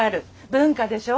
文化でしょ？